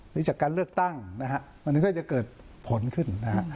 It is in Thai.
นี่จากการเลือกตั้งนะฮะมันก็จะเกิดผลขึ้นนะฮะ